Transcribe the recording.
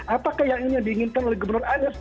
apakah yang ini diinginkan oleh gubernur anies